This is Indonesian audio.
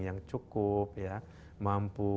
yang cukup mampu